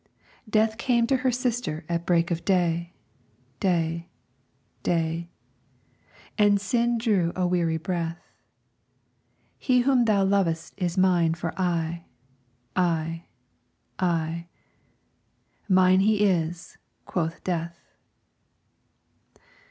Death came to her sister at break of day, Day, day, And Sin drew a weary breath; He whom thou lovest is mine for aye, Aye, aye, Mine he is, quoth Death.